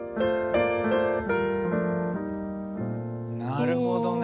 なるほどね。